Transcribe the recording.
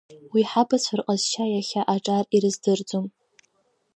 Уи ҳабацәа рҟазшьа иахьа аҿар ирыздырӡом.